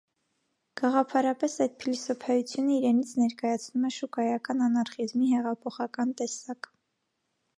Գաղափարապես այդ փիլիսոփայությունը իրենից ներկայացնում է շուկայական անարխիզմի հեղափոխական տեսակ։